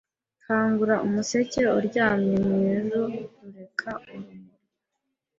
Kangura umuseke uryamye mwiju rureka urumuri